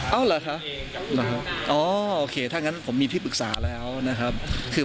เอาเหรอคะอ๋อโอเคถ้างั้นผมมีที่ปรึกษาแล้วนะครับ